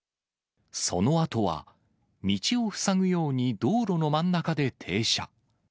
そのあとは道を塞ぐように道路の真ん中で停車。